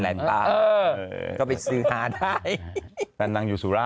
เห็นไหมล่ะ